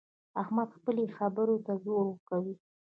احمد خپلې خبرې ته زور کوي.